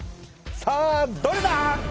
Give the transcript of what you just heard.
さあどれだ？